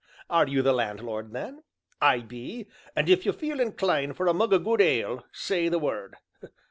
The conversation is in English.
"Are you the landlord, then?" "I be; and if you feel inclined for a mug o' good ale say the word."